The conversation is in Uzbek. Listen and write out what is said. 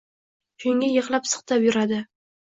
Shunga yigʻlab-siqtab yuradi.